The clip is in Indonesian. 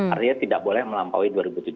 artinya tidak boleh melampaui dua tujuh ratus